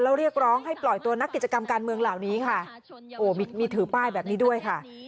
แล้วเรียกร้องให้ปล่อยตัวนักกิจกรรมการเมืองเหล่านี้ค่ะโอ้มีมีถือป้ายแบบนี้ด้วยค่ะ